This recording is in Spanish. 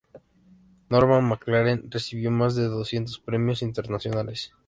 Norman MacLaren recibió más de doscientos premios internacionales.